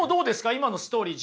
今のストーリー